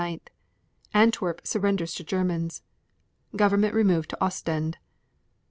Antwerp surrenders to Germans. Government removed to Ostend. 13.